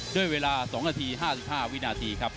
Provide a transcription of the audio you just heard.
ด้วยเวลา๒นาที๕๕วินาทีครับ